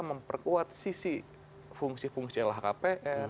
memperkuat sisi fungsi fungsi lhkpn